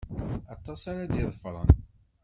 Aṭas ara d-iḍefṛen.